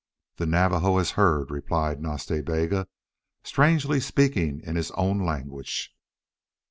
"The Navajo has heard," replied Nas Ta Bega, strangely speaking in his own language.